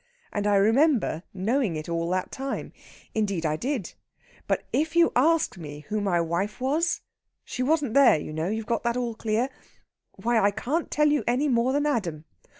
And I remember knowing it all that time. Indeed, I did! But if you ask me who my wife was she wasn't there, you know; you've got all that clear? why, I can't tell you any more than Adam!